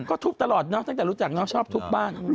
ก็ทุบตลอดเนอะตั้งแต่รู้จักเนาะชอบทุบบ้าน